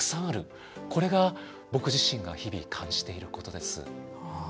これが僕自身が日々感じていることです。